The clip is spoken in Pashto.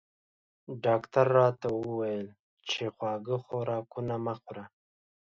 ډاکټر راته وویل چې خواږه خوراکونه مه خورئ